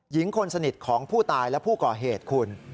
หญิงคนสนิทของผู้ตายและผู้ก่อเหตุคุณ